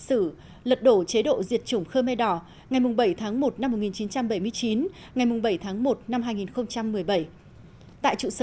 sử lật đổ chế độ diệt chủng khơ mê đỏ ngày bảy tháng một năm một nghìn chín trăm bảy mươi chín ngày bảy tháng một năm hai nghìn một mươi bảy tại trụ sở